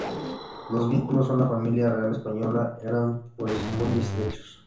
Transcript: Los vínculos con la Familia real española eran pues muy estrechos.